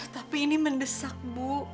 tapi ini mendesak bu